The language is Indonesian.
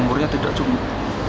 umurnya tidak cukup